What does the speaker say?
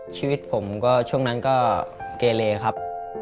ชีวิตผมก็ช่วงนั้นก็เกเลครับ